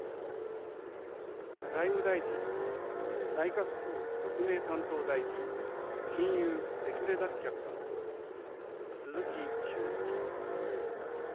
財務大臣、内閣府特命担当大臣、金融デフレ脱却担当、鈴木俊一。